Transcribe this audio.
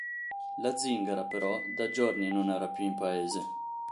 La zingara, però, da giorni non era più in paese.